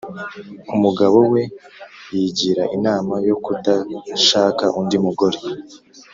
umugabo we yigira inama yo kudashaka undi mugore,